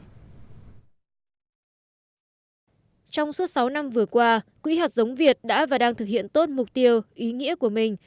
trong suốt sáu năm vừa qua quỹ hạt giống việt đã và đang thực hiện tốt mục tiêu ý nghĩa của mình